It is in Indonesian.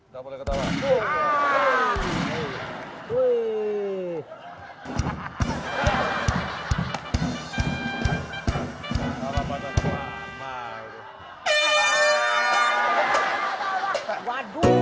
gak boleh ketawa